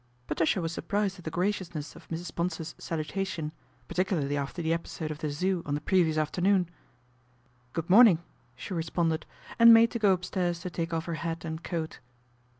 Patricia was surprised at the gracious ness of Mrs. Bonsor's salutation, par ticularly after the episode of the Zoo on the previous afternoon. " Good morning," she responded, and made to go upstairs to take off her hat and coat.